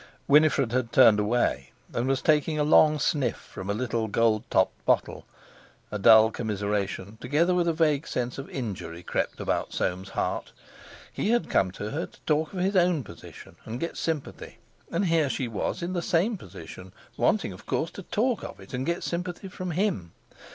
Winifred had turned away, and was taking a long sniff from a little gold topped bottle. A dull commiseration, together with a vague sense of injury, crept about Soames' heart. He had come to her to talk of his own position, and get sympathy, and here was she in the same position, wanting of course to talk of it, and get sympathy from him.